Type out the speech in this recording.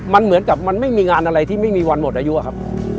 มันเหมือนกับมันไม่มีงานอะไรที่ไม่มีวันหมดอายุอะครับ